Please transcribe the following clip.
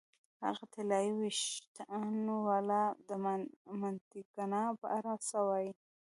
هغه طلايي وېښتانو والا، د مانتیګنا په اړه څه وایې؟